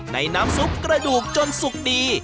น้ำซุปกระดูกจนสุกดี